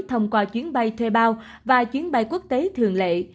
thông qua chuyến bay thuê bao và chuyến bay quốc tế thường lệ